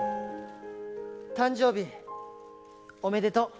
誕生日おめでとう！